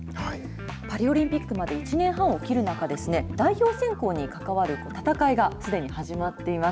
パリオリンピックまで１年半を切る中、代表選考に関わる戦いがすでに始まっています。